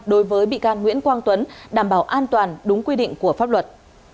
đối với bị can nguyễn quang tuấn đảm bảo an toàn đúng quy định của pháp luật